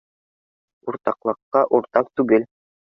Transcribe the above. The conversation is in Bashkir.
— Уртаҡлыҡҡа уртаҡ түгел